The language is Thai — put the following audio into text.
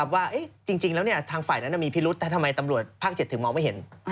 ว่าจริงแล้วทางฝ่ายนั้นมีพิรุษแต่ทำไมตำรวจภาค๗ถึงมองไม่เห็น